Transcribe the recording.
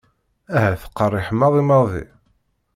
Ahat qerriḥ maḍi maḍi.